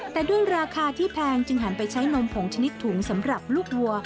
แต่ด้วยราคาที่แพงจึงหันไปใช้นมผงชนิดถุงสำหรับลูกวัว